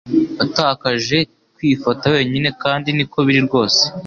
Watakaje kwifata wenyine kandi niko biri rwose